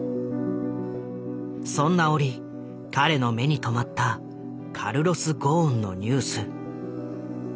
そんな折彼の目に留まったカルロス・ゴーンのニュース。